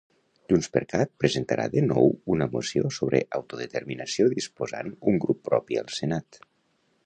JxCat presentarà de nou una moció sobre autodeterminació disposant un grup propi al Senat